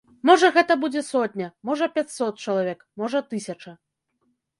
Можа, гэта будзе сотня, можа, пяцьсот чалавек, можа, тысяча.